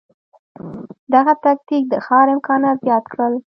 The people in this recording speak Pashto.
دغه تکتیک د ښکار امکانات زیات کړل.